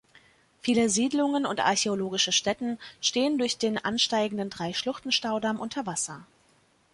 Viele Siedlungen und archäologische Stätten stehen durch den ansteigenden Drei-Schluchten-Staudamm unter Wasser.